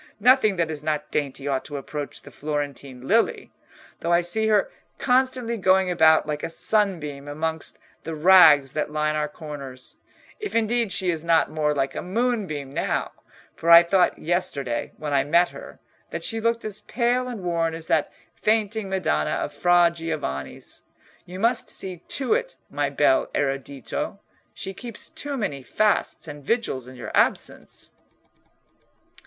Nothing that is not dainty ought to approach the Florentine lily; though I see her constantly going about like a sunbeam amongst the rags that line our corners—if indeed she is not more like a moonbeam now, for I thought yesterday, when I met her, that she looked as pale and worn as that fainting Madonna of Fra Giovanni's. You must see to it, my bel erudito: she keeps too many fasts and vigils in your absence."